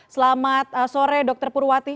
selamat sore dr purwati